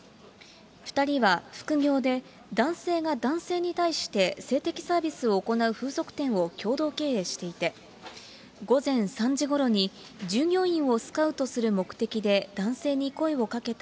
２人は副業で、男性が男性に対して性的サービスを行う風俗店を共同経営していて、午前３時ごろに従業員をスカウトする目的で、男性に声をかけた